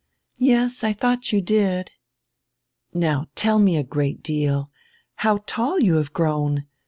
"Yes, I thought you did." "Now tell me a great deal. How tall you have grown!